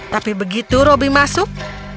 tapi begitu robby masuk